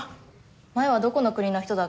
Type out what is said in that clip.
前はどこの国の人だっけ？